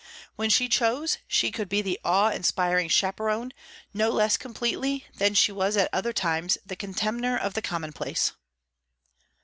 When she chose, she could be the awe inspiring chaperon, no less completely than she was at other times the contemner of the commonplace.